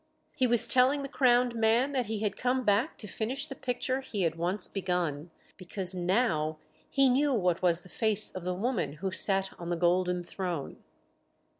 He was telling the crowned man that he had come back to finish the picture he had once begun, because now he knew what was the face of the woman who sat on the golden throne.